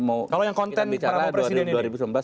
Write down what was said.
mau bicara dua ribu sembilan belas